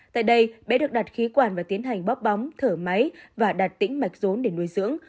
tại đây bé được đặt khí quản và tiến hành bóc bóng thở máy và đặt tĩnh mạch rốn để nuôi dưỡng